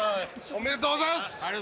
おめでとうございます。